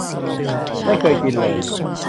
ไม่เคยกินเลย